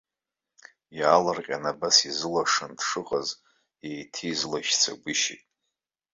Иаалырҟьан абас изылашан дшыҟаз, еиҭаизылашьцагәышьеит.